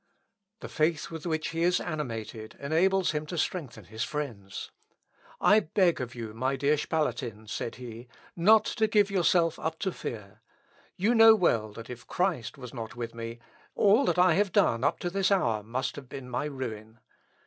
The faith with which he is animated enables him to strengthen his friends. "I beg of you, my dear Spalatin," said he, "not to give yourself up to fear; you know well that if Christ was not with me, all that I have done up to this hour must have been my ruin.